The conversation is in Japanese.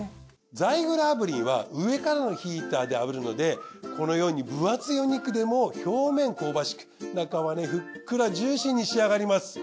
ザイグル炙輪は上からのヒーターで炙るのでこのように分厚いお肉でも表面香ばしく中はふっくらジューシーに仕上がります。